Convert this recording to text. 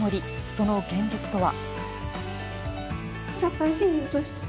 その現実とは。